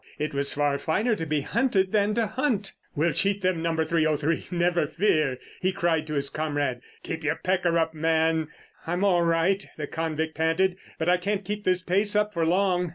It was far finer to be hunted than to hunt. "We'll cheat them, No. 303, never fear!" he cried to his comrade. "Keep your pecker up, man!" "I'm all right," the convict panted; "but I can't keep this pace up for long."